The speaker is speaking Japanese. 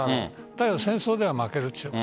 だけど戦争では負けると言ってる。